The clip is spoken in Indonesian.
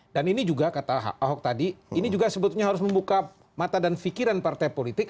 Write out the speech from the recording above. dan ini juga kata ahok tadi ini juga sebetulnya harus membuka mata dan fikiran partai politik